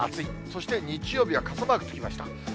そして日曜日は傘マークつきました。